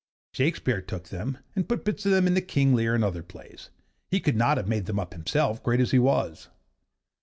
Shakespeare took them and put bits of them into 'King Lear' and other plays; he could not have made them up himself, great as he was.